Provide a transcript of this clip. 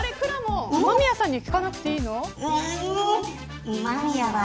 くらもん間宮さんに聞かなくていいの。